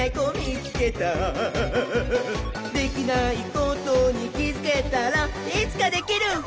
「できないことにきづけたらいつかできるひゃっほ」